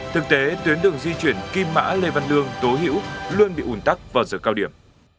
thực tế tuyến đường di chuyển kim mã lê văn lương tố hữu luôn bị ủn tắc vào giờ cao điểm